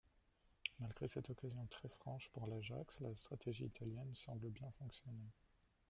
Malgré cette occasion très franche pour l'Ajax la stratégie italienne semble bien fonctionner.